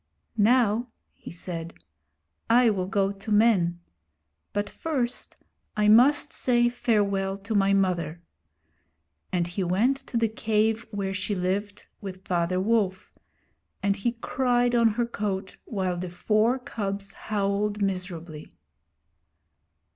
'Now,' he said, 'I will go to men. But first I must say farewell to my mother'; and he went to the cave where she lived with Father Wolf, and he cried on her coat, while the four cubs howled miserably.